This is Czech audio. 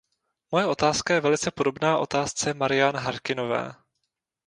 Moje otázka je velice podobná otázce Marian Harkinové.